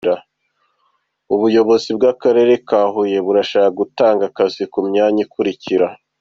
Ubuyobozi bw’Akarere ka Huye burashaka gutanga akazi ku myanya ikurikira.